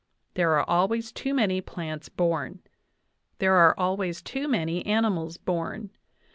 ... There are always too many plants born. ... There are always too many animals born.